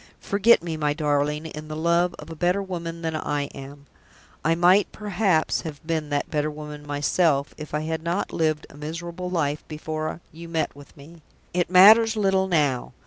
Forget me, my darling, in the love of a better woman than I am. I might, perhaps, have been that better woman myself, if I had not lived a miserable life before you met with me. It matters little now.